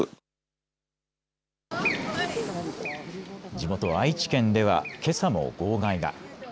地元、愛知県ではけさも号外が。